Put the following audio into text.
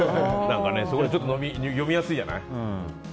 すごい読みやすいじゃない。